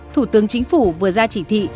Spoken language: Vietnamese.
thủ tướng chính phủ vừa ra chỉ thị